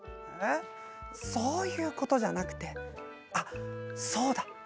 そういうことじゃなくてそうだ！